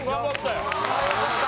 よかった。